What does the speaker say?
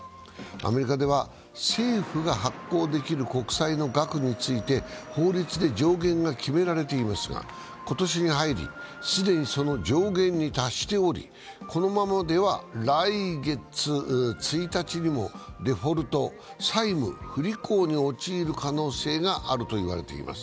アメリカでは政府が発行できる国債の額について法律で上限が決められていますが、今年に入り既にその上限に達しておりこのままでは来月１日にもデフォルト、債務不履行に陥る可能性があると言われております。